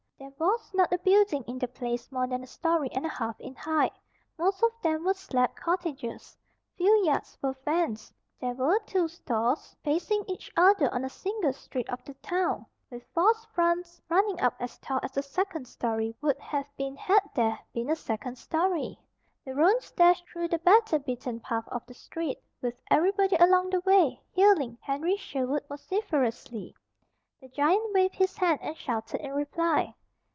There was not a building in the place more than a story and a half in height. Most of them were slab cottages. Few yards were fenced. There were two stores, facing each other on the single street of the town, with false fronts running up as tall as the second story would have been had there been a second story. The roans dashed through the better beaten path of the street, with everybody along the way hailing Henry Sherwood vociferously. The giant waved his hand and shouted in reply.